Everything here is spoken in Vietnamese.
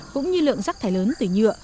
cũng như lượng rắc thải lớn từ nhựa